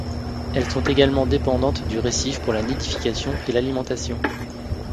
Elles sont également dépendantes du récif pour la nidification et l'alimentation.